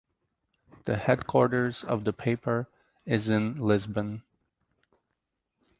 The headquarters of the paper is in Lisbon.